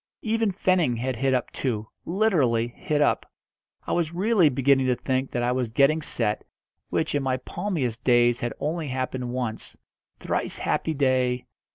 Even Fenning had hit up two literally hit up. I was really beginning to think that I was getting set, which, in my palmiest days had only happened once thrice happy day!